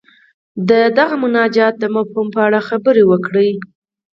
د دغه مناجات د مفهوم په اړه خبرې وکړي.